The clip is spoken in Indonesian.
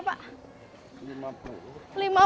berapa kilo ini itu pak